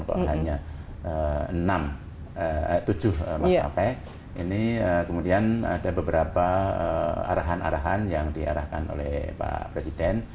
kalau hanya tujuh maskapai ini kemudian ada beberapa arahan arahan yang diarahkan oleh pak presiden